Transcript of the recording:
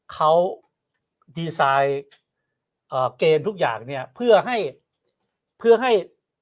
เขาดีไซน์เอ่อเกมทุกอย่างเนี่ยเพื่อให้เพื่อให้